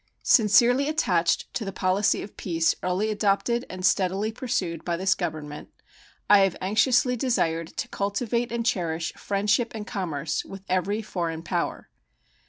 Sincerely attached to the policy of peace early adopted and steadily pursued by this Government, I have anxiously desired to cultivate and cherish friendship and commerce with every foreign power.